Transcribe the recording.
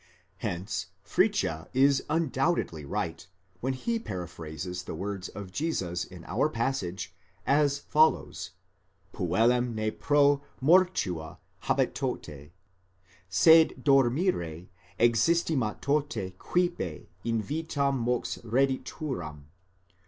Hence Fritzsche is undoubtedly right when he para phrases the words of Jesus in our passage as follows: puellam ne pro mortua habetote, sed dormire existimatote quippe in vitam mox redituram.